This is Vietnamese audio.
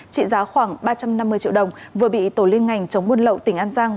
trị giá khoảng ba trăm năm mươi triệu đồng vừa bị tổ liên ngành chống buôn lậu tỉnh an giang